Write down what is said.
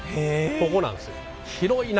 ここなんですよ。